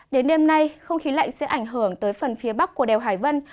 đến đêm nay không khí lạnh sẽ ảnh hưởng tới phần phía bắc của đèo hải vân